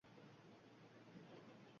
Bir kun yoningga